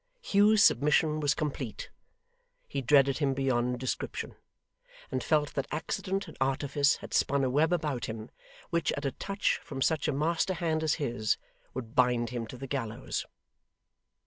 Hugh's submission was complete. He dreaded him beyond description; and felt that accident and artifice had spun a web about him, which at a touch from such a master hand as his, would bind him to the gallows.